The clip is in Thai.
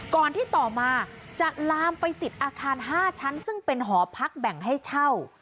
ก่อนที่ต่อมาจะลามไปติดอาคาร๕ชั้นซึ่งเป็นหอพักแบ่งให้เช่า